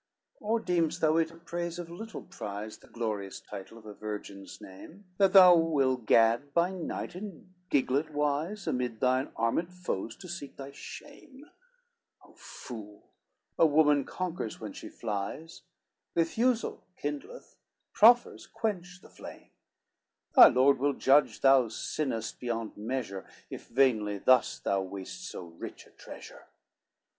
LXXII "Or deem'st thou it a praise of little prize, The glorious title of a virgin's name? That thou will gad by night in giglot wise, Amid thine armed foes, to seek thy shame. O fool, a woman conquers when she flies, Refusal kindleth, proffers quench the flame. Thy lord will judge thou sinnest beyond measure, If vainly thus thou waste so rich a treasure."